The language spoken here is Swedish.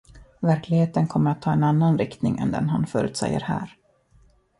Verkligheten kommer att ta en annan riktning än den han förutsäger här.